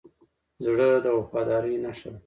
زړه د وفادارۍ نښه ده.